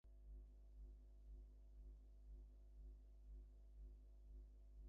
একবার হটেনটটদের জড়োপাসনাকে নিন্দা করার জন্য স্বামীজীকে অনুরোধ করা হইল।